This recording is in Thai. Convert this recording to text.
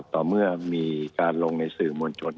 ต่อเมื่อมีการลงในสื่อมวลชน